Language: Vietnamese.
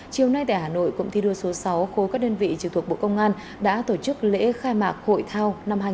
chiều nay tại hà nội cụm thi đua số sáu khối các đơn vị trực thuộc bộ công an đã tổ chức lễ khai mạc hội thao năm hai nghìn hai mươi